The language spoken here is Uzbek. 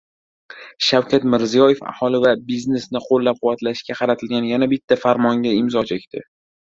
Shavkat Mirziyoyev aholi va biznesni qo‘llab-quvvatlashga qaratilgan yana bitta farmonga imzo chekdi